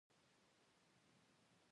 سوداګري د ریل په مټ چټکه شوه.